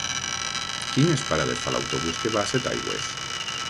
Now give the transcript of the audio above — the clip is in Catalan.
Quines parades fa l'autobús que va a Setaigües?